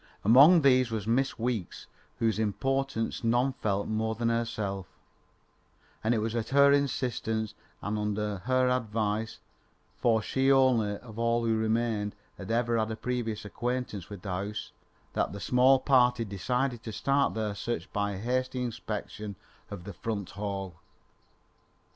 Among these was Miss Weeks whose importance none felt more than herself, and it was at her insistence and under her advice (for she only, of all who remained, had ever had a previous acquaintance with the house) that the small party decided to start their search by a hasty inspection of the front hall.